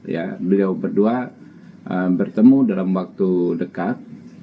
ya beliau berdua bertemu dalam waktu dekat